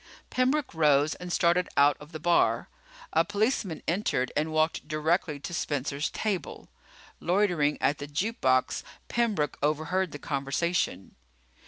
Pembroke rose and started out of the bar. A policeman entered and walked directly to Spencer's table. Loitering at the juke box, Pembroke overheard the conversation.